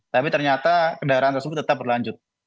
tapi ternyata kendaraan tersebut tetap berlanjut